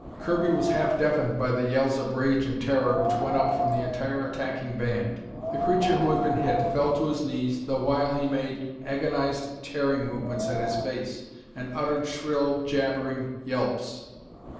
Kirby was half deafened by the yells of rage and terror which went up from the entire attacking band. The creature who had been hit fell to his knees the while he made agonized tearing movements at his face and uttered shrill, jabbering yelps.